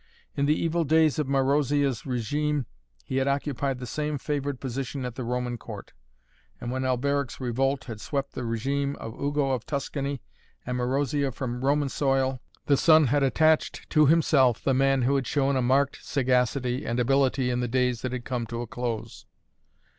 In the evil days of Marozia's regime he had occupied the same favored position at the Roman court, and, when Alberic's revolt had swept the regime of Ugo of Tuscany and Marozia from Roman soil, the son had attached to himself the man who had shown a marked sagacity and ability in the days that had come to a close.